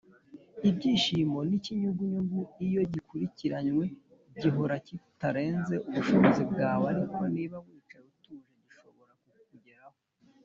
"ibyishimo ni ikinyugunyugu, iyo gikurikiranwe, gihora kitarenze ubushobozi bwawe, ariko, niba wicaye utuje, gishobora kukugeraho."